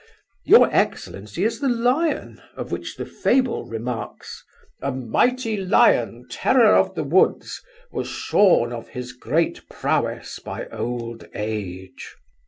Your excellency is the lion of which the fable remarks: 'A mighty lion, terror of the woods, Was shorn of his great prowess by old age.